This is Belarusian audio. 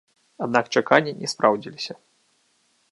Аднак чаканні не спраўдзіліся.